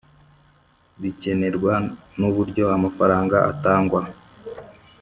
Bikenerwa n uburyo amafaranga atangwa